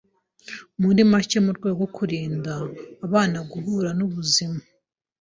Muri make mu rwego rwo kurinda abana guhura n’ubuzima